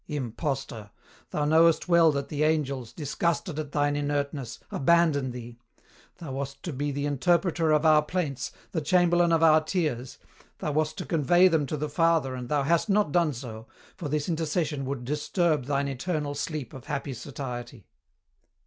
Impostor! thou knowest well that the angels, disgusted at thine inertness, abandon thee! Thou wast to be the Interpreter of our plaints, the Chamberlain of our tears; thou wast to convey them to the Father and thou hast not done so, for this intercession would disturb thine eternal sleep of happy satiety.